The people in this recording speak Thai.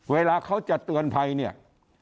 เวลาเขาจะเตือนภัยเนี่ย